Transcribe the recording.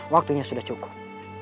waktunya sudah cukup